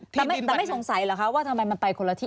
แต่ไม่สงสัยเหรอคะว่าทำไมมันไปคนละที่